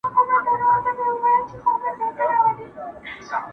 خو اصل درد يو شان پاته کيږي د ټولو لپاره،